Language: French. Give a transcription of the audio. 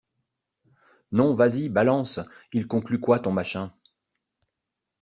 Non, vas-y balance, il conclut quoi ton machin?